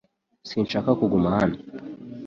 Sinshaka kuguma hano .